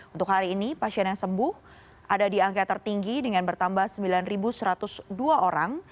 untuk hari ini pasien yang sembuh ada di angka tertinggi dengan bertambah sembilan satu ratus dua orang